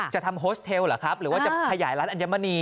จะทำโฮสเทลเหรอครับหรือว่าจะขยายร้านอัญมณี